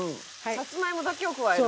さつまいもだけを加える。